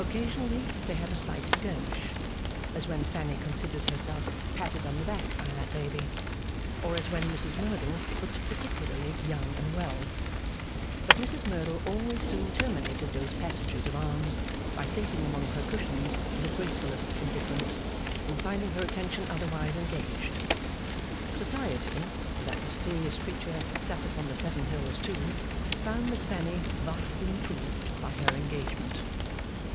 Occasionally they had a slight skirmish, as when Fanny considered herself patted on the back by that lady, or as when Mrs Merdle looked particularly young and well; but Mrs Merdle always soon terminated those passages of arms by sinking among her cushions with the gracefullest indifference, and finding her attention otherwise engaged. Society (for that mysterious creature sat upon the Seven Hills too) found Miss Fanny vastly improved by her engagement.